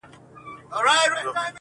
ما چي ورلېږلی وې رویباره جانان څه ویل!!